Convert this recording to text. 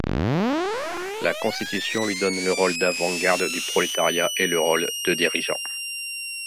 La Constitution lui donne le rôle d'avant-garde du prolétariat et le rôle de dirigeant.